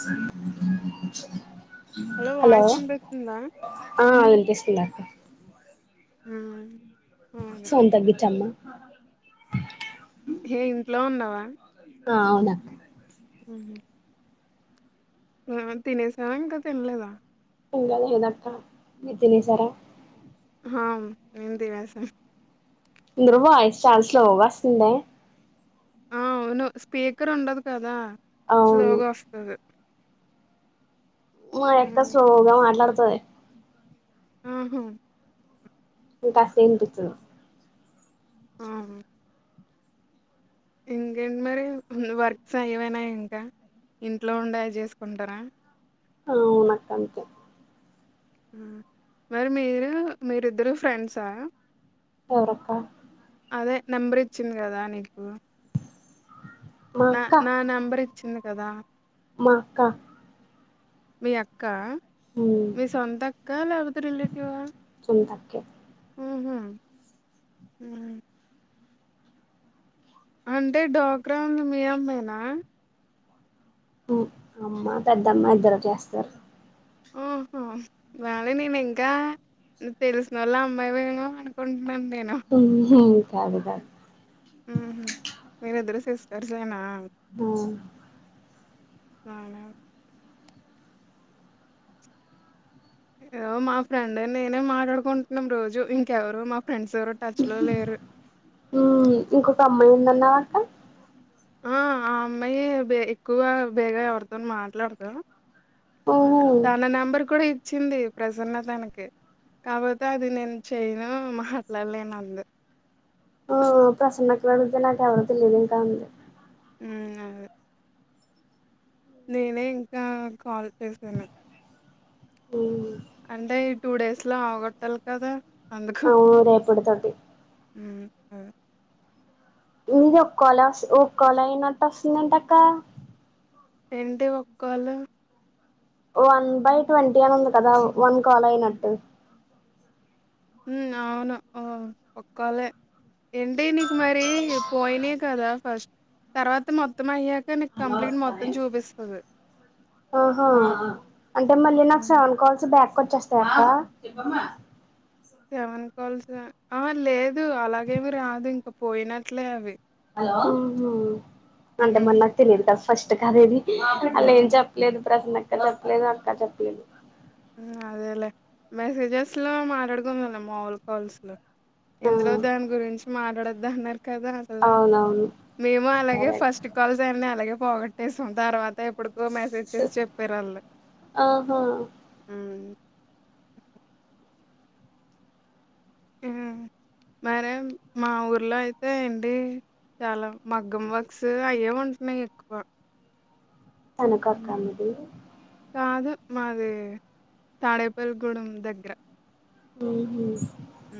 స [inaudible] hello voice ఇన్పిస్తుందా ఆ వినిపిస్తు ఉందా ఆ సౌండ్ తగ్గిచ్ అమ్మా హే ఇంట్లో ఉన్నవ అ అవున [inaudible] హ్మ్ తినే దంకా తిన్లేద ఇంగ లేదక్క మీరు తినేసారా హా మేం తినేసం ధ్రువ స్ స్టాల్స్ లో వస్తుందే అ అవును స్పీకర్ ఉండదు కదా స్లో అవును గా వస్తంది మ యక్క స్లోగా మాట్లాడతది ఉహామ్ [unintelligible] అ ఇంకేంట్ మరి వర్క్స్ అయిపోనయ ఇంక ఇంట్లో ఉండే ఐ చేసుకుంటరా అ అవునక్కాందుకే మరి మీరు మీరిద్దరు ఫ్రెండ్స్హ ఎవరక్క అదే నెంబర్ ఇచ్చింది కదా నీకు మా న అక్క న నంబర్ ఇచ్చింది కదా మా అక్క మీ అక్క ఉమ్ మీ సొంత అక్క లేకపోతే రిలేటివా సొంత అక్కే హ్మ్ హు అంటే డోక్రావుంది మీ అమ్మేనా అమ్మా పెద్దమ్మ ఇద్దరు చేస్తారు. ఓహో వాలీ నేను ఇంకా తెలిసినోళ్ళ అమ్మాయి వేమో అనుకుంటా. నేను ఉహు కాదు కాదు హ్మ్ హు మీరు ఇద్దరు సిస్టర్స్ ఎనా హ్మ్ మన మా ఫ్రెండ్ నేనే మాట్లాడుకుంటున్నాం రోజు ఇంకెవరు మా ఫ్రెండ్స్ ఎవరు టచ్ లో లేరు ఇంకొక అమ్మాయి ఏందన్న అ అ అమ్మాయే ఎక్కువగా బేగ ఎవరితో మాట్లాడదా ఉహు తన నంబర్ కూడా ఇచ్చింది ప్రసన్న తనకి కాపోతే అది నేను చేయను మాట్లాడలేను అంది ఆ ప్రసన్నక్కను అడిగితే నాకు ఎవరో తెలియదు ఇంకా అంది అ నేనే ఇంకా కాల్ చేసాను అంటే టూ డేస్ లో ఆవగొట్టాలి గాదా అవు రేపుడు తటి [inaudible] మీది ఒక కొలా వ ఒకలా అయినట్టు వస్తుందంట అక్క ఏంటి ఒక్కోళ్ళ వన్ బై ట్వంటీ అని ఉంది కదా వన్ కాల్ అయినట్టు అవును ఒక్కాలే ఏంటి నీక్ మరి పోయినే కదా ఫస్ట్ తర్వాత మొత్తం అయ్యాక నీకు కంప్లీంట్ మొత్తం చూపిస్తుంది. ఆహా అంటే మళ్ళీ నాకు హ్మ్. సెవెన్ కాల్స్ బ్యాక్ కొచ్చేస్తయక్క సేవన్ కాల్స్గా ఆ లేదు అలాగేమి రాదు ఇంక పోయినట్లే అవి అంటే మన హ్మ్. నాకు తెలియదు కదా ఫస్ట్ కాల్ ఇది అలా ఏం అవును. చెప్పలేదు ప్రసన్నక్క చెప్పలేదు అక్కడ అట్టా చెప్పింది అదేలే మెసేజెస్ లో మాట్లాడుకుందలలే మాములు కాల్స్ లో ఇందులో ఆ దాని గురించి మాట్లాడద్ద అన్నారు కదా అసలా అవునవును మేము అలాగే సరే అక్క ఫస్ట్ కాల్స్ అన్ని అలాగే పోగొట్టేసాం తర్వాతే ఇప్పుడుకో మెసేజ్ చేసి చెప్పారు వాళ్ళు ఆహా ఉ ఆ మరే మా ఊర్లో అయితే ఏంటి చాలా మగ్గం వర్క్స్ అయే ఉంటున్నాయి ఎక్కువ తనకా హ్మ్. క్క మీది కాదు మాది తాడేపల్లిగూడెం దగ్గర ఉహూ ఉ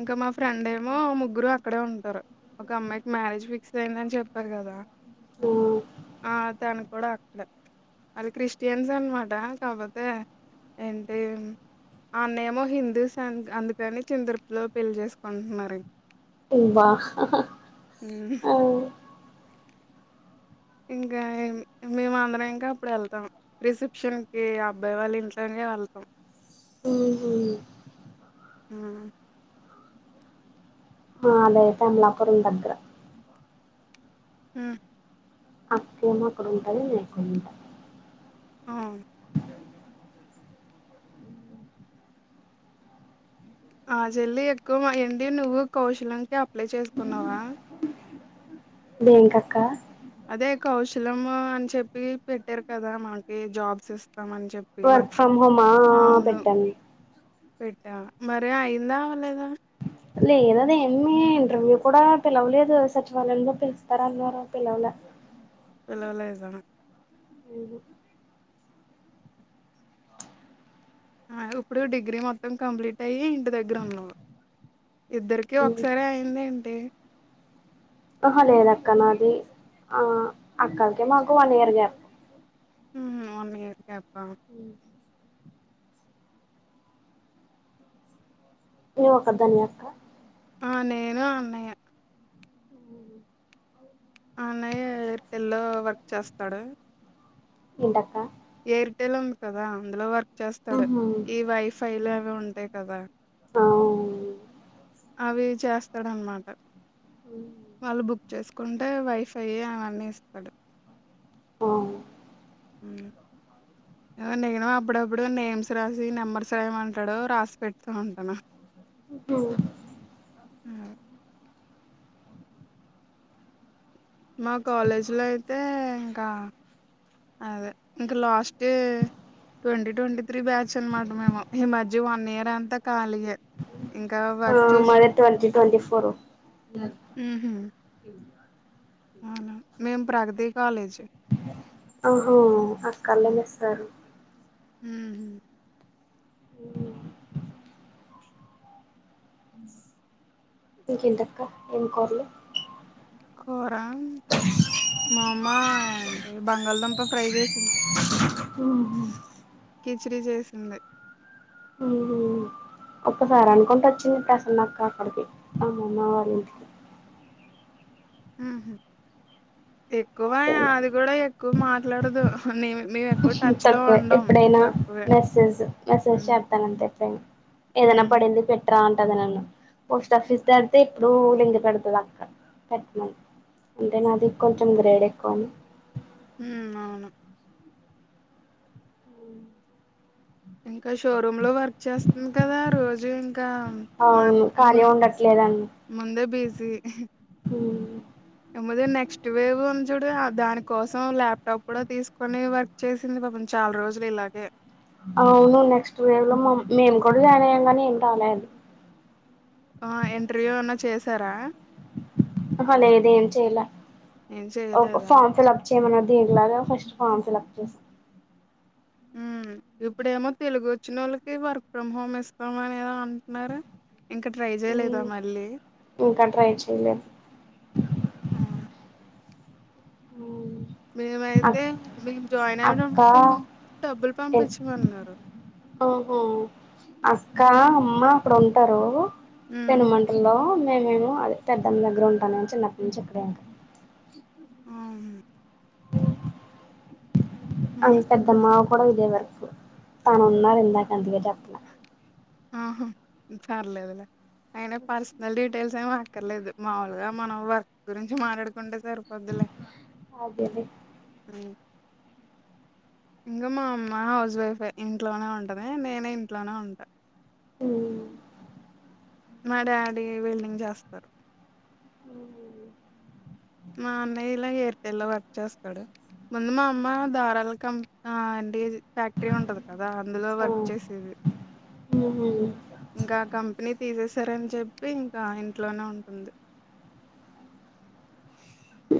ఇంకా మా ఫ్రెండ్ ఏమో ముగ్గురు అక్కడే ఉంటారు ఒక అమ్మాయికి మ్యారేజ్ ఫిక్స్ అయిందని చెప్పారు కదా ఆ తన కూడా అక్కడే వాళ్ళు క్రిస్టియన్స్ అనమాట కాకపోతే ఏంటి ఆ అన్న ఏమో హిందూ అన్ అందుకని చిందరపులో పెళ్లి చేేసుకుంటున్నారు ఉబ్బ హ్మ్. ఆ ఇంకా మేము అందరం ఇంకా అప్పుడు వెళ్తాం రిసెప్షన్ కి అబ్బాయి వాళ్ళు ఇంట్లోనే వెళ్తాం ఓహో ఉ మాదైతే అమలాపురం దగ్గర ఉ అక్కేమో అక్కడ ఉంటాది నేను ఇక్కడ ఉంటా ఆ ఆ చెల్లి ఎక్కువ ఎండి నువ్వు కౌశలకి అప్లై చేసుకున్నావా దేనికి అక్క అదే కౌశలము అని చెప్పి పెట్టారు కదా మాకి జాబ్స్ ఇస్త వర్క్ ఫ్రమ్ హోమా పెట్టను పెట్టావా మరి అయి్యందా అవలేదా లేదు అది ఏమి ఇంటర్వ్యూ కూడా పిలవలేదు సచివాలయంలో పిలుస్తారా అన్నారు పిలవాలా పిలవలేదా ఉహూ ఆ ఇప్పుడు డిగ్రీ మొత్తం కంప్లీట్ అయ్యి ఇంటి దగ్గర ఉన్నావ్ ఇద్దరికి ఒకసారి అయింది ఏంటి ఆహా లేద అక్క నాది ఆ అక్కకి నాకు వన్ ఇయర్ గ్యాప్ ఉ వన్ ఇయర్ గ్యాపా? ఉ నువ్వు ఒక్కదానివే అక్క ఆ నేను అన్నయ్య అన్నయ్య ఎయిర్టెల్ లో వర్క్ చేస్తాడు ఏంటక్కా ఎయిర్టెల్ ఉంది కదా అందులో వర్ చేస్తాడు ఈ వైఫై లో ఉహు అవి ఉంటాయి కదా ఆ అవి చేస్తాడు అన్నమాట వాళ్ళు బుక్ చేసుకుంటే వైఫై అవన్నీ ఇస్తాడు ఆ ఉ ఆ నేను అప్పుడప్పుడు నేమ్స్ రాసి నెంబర్స్ రామమంటాడు రాసి పెడుతూ ఉంటాను ఉహు ఆ మా కాలేజ్ లో అయితే ఇంకా అదే ఇంకా last they twenty twenty three batch అనమాట మేము ఈ మధ్య వన్ ఇయర్ అంతా కాలిగే ఆ మాది ట్వంటీ ట్వంటీ ఫోరు హు హుం మేము ప్రగతి కాలేజ్ ఆహో ఆ కళనే సారు హ్ హ్ ఇంకేంటక్క ఏం కోర్లు కూర మా అమ్మ అంటే బంగాళదంప ప్రై చేసింది ఓ హు పి హెచ్ డి చేసింది హు హూ ఒక్కసారి అనుకుంట వచ్చింది ప్రసన్నక్క అక్కడికి అమమ్మ వారి ఇంటికి ఎక్కువ అది కూడా ఇంటికి ఎక్కువ మాట్లాడదు నే తక్కువే ఎప్పుడైనా మెసేజ్ మెసేజ్ హ్మ్. చేతానంతే ఎప్పుడైనా ఏదన్నా హ్మ్. పడింది పెట్టుర్రాన్ టది నన్ను పోస్ట్ ఆఫీస్ తడితే ఎప్పుడూ లింక్ పెడుతది అక్క పెట్టమన్ అంటే నాది కొంచెం గ్రేడ్ ఎక్కువ అని హు అవును ఇంకా షోరూమ్ లో వర్క్ చేస్తుంది కదా రోజు కా మార్ అవును ము ఖాళీ ఉండట్లేదండి ముందే బీజీ ఎముది నెక్స్ట్ వేవ్ ఉంది చూడు దాని కోసం, ల్యాప్టాప్ కూడా తీసుకొని వర్క్ చేసింది. పాపం చాలా రోజులు ఇలాగే అవును నెక్స్ట్ వేవ్ లో మేము కూడా జాయిన్ అయ్యాం కానీ ఏం రాలే అద్ ఆ ఇంటర్వ్యూ ఏన్నా చేసారా అహా లేదు ఏం చేయలా ఏం చేయలేదా ఏమన్నా దీన్ని లాగా ఫస్ట్ ఫామ్ సెలెక్ట్ చేస్ హు ఇప్పుడేమో తెలుగు వచ్చిన వాళ్ళకి వర్క్ ఫ్రమ్ హోమ్ ఇస్తాం అనేదో అంటున్నారు ఇంక ట్రై చేయలేదా మళ్ళీ ఇంకా ట్రై చేయలే ఆ అక్క మేమైతే మేము జాయిన్ అయిన అక్క [unintelligible] డబ్బులు ఎల్ పంపించమన్నారు ఆహా క్కా అమ్మ అక్కడ ఉంటారు ఉమ్ పెనుమంటలో నేనేమో అది పెద్దమ్ దగ్గర ఉంటానని చిన్నప్పుడు నుంచి ఇక్కడే ఇంకా ఆమ్ హ్మ్ అని పెద్దమ్మావ కూడా ఇదే వరకు తను ఉన్నారు ఇందాక అందుకే చెప్పలే ఆహా పర్లేదులే అయినా పర్సనల్ డీటెయిల్స్ ఏమో అక్కర్లేదు మాములుగా మనం వర్క్ గురించి మాట్లాడుకుంటే సరు పోద్దిలే అదేలే ఇంగ మా అమ్మ హౌజ్ వైఫే ఇంట్లోనే ఉంటది నేనే ఇంట్లోనే ఉంటా హ్మ్ మా డాడి వెల్డింగ్ చేస్తరు మా అన్నయ్య ఇలా ఎయిర్ టెల్ లో వర్క్ చేస్తడు ముందు మా అమ్మ ధారాల కం ఆ అంటే ఫ్యాక్టరీ ఉంటది కదా అందులో వర్క్ చేసేది ఉహుమ్ ఇంకా కంపెనీ తీసేసారని చెప్పి ఇంక ఇంట్లోనే ఉంటుంది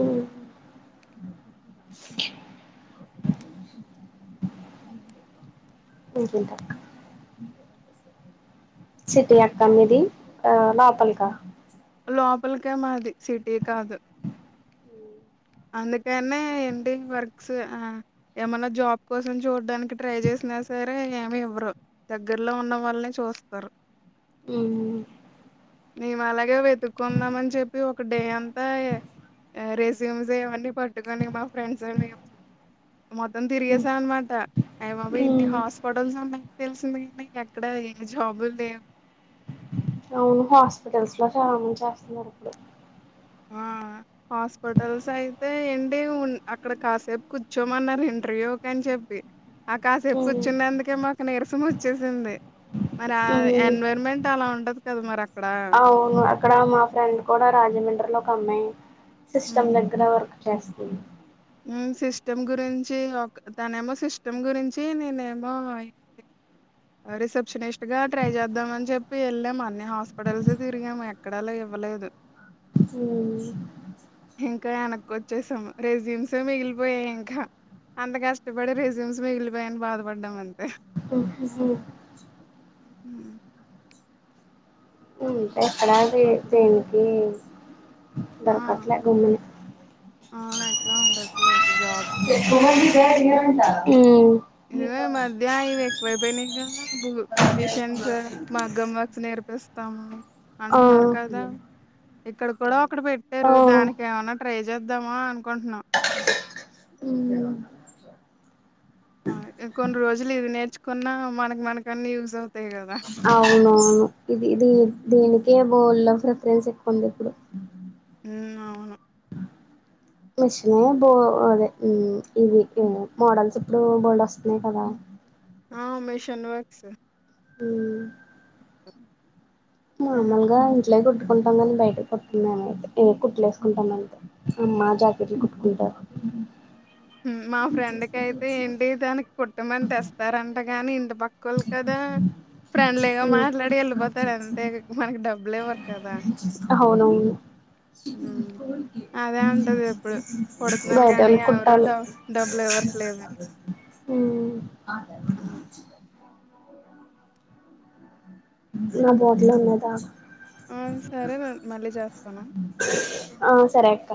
ఉమ్ ఊకింకా సిటీ అక్క మీది ఆ లోపలికా లోపలికే మాది సిటీ కాదు అందుకనే ఏంటి వర్క్స్ ఆ ఏమైన్నా జాబ్ కోసం చూడడానికి ట్రై చేస్ వన సరే ఏమి ఎవ్వరు దగ్గరలో ఉన్న వాళ్ళనే చూస్తరు హు మేము అలాగే వెతుక్కుందాం అని చెప్పి ఒక డే అంతా రేస్ జిమ్స్ ఏవన్నీ పట్టుకని మా ఫ్రెండ్స్ మేము మొత్తం ఉమ్ తిరిగసా అనమాట ఐ బాబోయ్ ఇన్ని ఉమ్ హాస్పటల్స్ ఉన్నాయి తెలిసిందిడి ఎక్కడ జాబులు లేవు అవును హాస్పిటల్స్ లో చాల [unintelligible] చేస్తున్నారు ఇప్పుడు ఆ హాస్పిటల్స్ అయితే ఏంటి అక్కడ కాసేపు కూర్చోమన్నారు ఇంటర్వ్యూ అని చె పి ఆ కాసేపు ఉమ్ కూర్చున్నందుకే మాకు నీరసం వచ్చేసింది మరి ఆ ఉమ్ ఎన్వైర్న్మెంట్ అలా ఉండదు కదా మరి అ అవును అక్కడ మా ఫ్రెండ్ కూడ రాజమండ్రి లోకి అమ్మాయి హ్మ్. సిస్టమ్ దగ్గర వర్ చేస్తుంది సిస్టమ్ గురించి ఒక తనే ఏమో సిస్టమ్ గురించి నేనేమో రిసెప్షనిస్ట్ గా ట్రై చేద్దామ అని చెప్పి వెళ్ళాం అన్ని హాస్పిటల్స్ తిరిగాము ఎక్కడా లేవ్వ లేదు హు ఇంకా వెనకోచ్చేసాము రెజ్యూమ్స్ మిగిలిపోయాయి ఇంకా అంత కష్టపడి రెజ్యూమ్స్ మిగిలిపోయాని బాధపడ్డాం అంతే గు హు అంటే ఎక్కడాది దేనికి దొరకట్లే గుమ్మని అవున ఎక్కడ ఉండట్లే హు ఇదిగో ఈ మధ్య ఇవి ఎక్కువ అయిపోయినాయి కదా న్యూట్రిషియన్స్ మాగ్గం వర్క్స్ నేర్పిస్తాము ఆ అంటున్నారు కదా ఇక్కడ కూడా ఒకడు ఆ పెట్టారు దానికి ఏమన్నా ట్రై చేద్దామా అనుకుంటున్నా కొన్ని రోజులు ఇది నేర్చుకున్నా మనకి మనక అన్ని యూజ్ అవు అవునవును ఇది దీ హ్మ్. దీనికే [unintelligible] ప్రిఫరెన్స్ ఎక్కువంది ఇప్పుడు అవును మిషిన బో అదే ఇవి మోడల్స్ ఇప్పుడు బోల్ వస్తున్నాయి కదా ఆ మిషన్ వర్క్స్ హు ఆ! మమూలుగా [unintelligible] మా ఫ్రెండ్ కయితే ఏంటి దానికి కుటుమని అని తెస్తారంటగాని ఇంటి [unintelligible] కదా ఫ్రెండ్లీగా మాట్లాడి వెళ్ళిపోతారు అంతే మనకి డబ్బులు ఇవ్వరు కదా అవునవును హ్మ్. అదే అంటది ఎప్పుడు. కుడుతున్నాను గానీ [unintelligible] ఎవరు కుట్టాలి డబ్ [unintelligible] అని. ఆదచ్చ నా బోట్లో ఉన్నద ఆ సరే ర మళ్ళీ చేస్తను ఆ సరే అక్క